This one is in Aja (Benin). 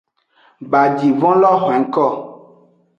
Bajivon lo hwenko.